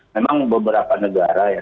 memang beberapa negara ya